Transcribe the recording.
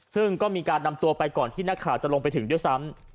ซึ่งก็มีการนำตัวไปก่อนที่นักข่าวจะลงไปถึงด้วยซ้ำ